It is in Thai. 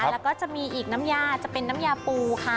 แล้วก็จะมีอีกน้ำยาจะเป็นน้ำยาปูค่ะ